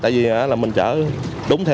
tại vì mình chở đúng thế